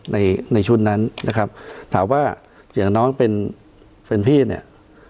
ในในชุดนั้นนะครับถามว่าอย่างน้องเป็นเป็นพี่เนี่ย